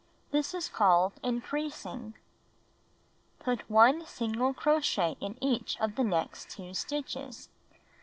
This is called "increasing." Put 1 single crochet in each of the next 2 stitches.